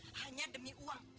hanya demi uang